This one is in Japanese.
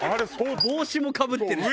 帽子もかぶってるしさ。